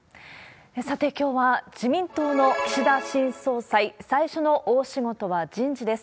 さて、きょうは自民党の岸田新総裁、最初の大仕事は人事です。